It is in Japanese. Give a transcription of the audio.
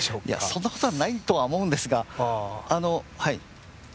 そんなことはないとは思うんですが。